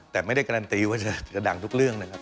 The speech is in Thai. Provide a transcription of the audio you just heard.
แต่ไม่ได้การันตีว่าจะดังทุกเรื่องนะครับ